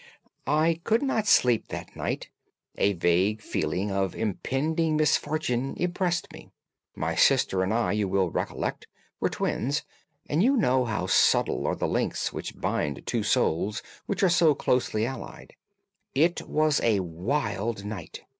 "I could not sleep that night. A vague feeling of impending misfortune impressed me. My sister and I, you will recollect, were twins, and you know how subtle are the links which bind two souls which are so closely allied. It was a wild night.